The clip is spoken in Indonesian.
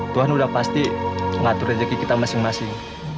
tuhan udah pasti ngatur rezeki kita masing masing